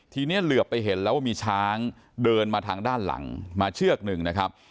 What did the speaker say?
ทีนี้เหลือไปเห็นแล้วว่ามีช้างเดินมาทางด้านหลังมาเชือกหนึ่งนะครับ